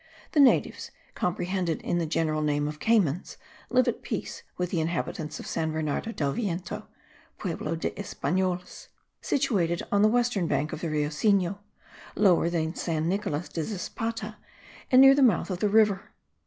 The natives, comprehended in the general name of Caymans, live at peace with the inhabitants of San Bernardo del Viento (pueblo de Espanoles), situated on the western bank of the Rio Sinu, lower than San Nicolas de Zispata, and near the mouth of the river.